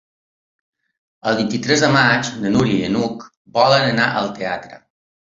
El vint-i-tres de maig na Núria i n'Hug volen anar al teatre.